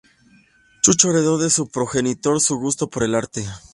Chucho heredó de su progenitor su gusto por el arte.